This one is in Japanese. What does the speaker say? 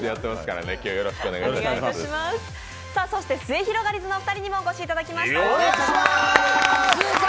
すゑひろがりずのお二人にもお越しいただきました。